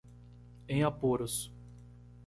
Em apuros